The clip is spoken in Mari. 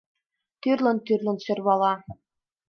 Тӱрлын-тӱрлын сӧрвала...